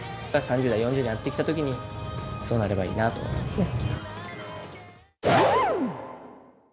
３０代、４０代になってきたときに、そうなればいいなと思いますね。